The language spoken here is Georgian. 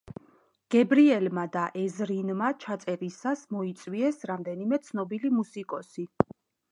გებრიელმა და ეზრინმა ჩაწერისას მოიწვიეს რამდენიმე ცნობილი მუსიკოსი.